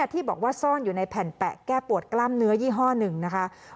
ที่บอกว่าซ่อนอยู่ในแผ่นแปะแก้ปวดกล้ามเนื้อยี่ห้อหนึ่งนะคะ